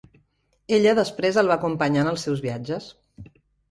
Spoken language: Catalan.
Ella després el va acompanyar en els seus viatges.